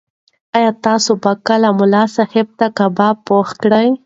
ایا تاسو به کله ملا صاحب ته کباب پوخ کړئ؟